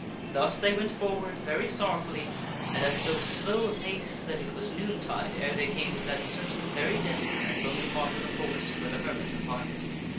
Thus they went forward very sorrowfully and at so slow a pace that it was noontide ere they came to that certain very dense and lonely part of the forest where the hermit abided.